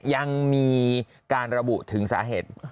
ยังมีการระบุถึงสาเหตุ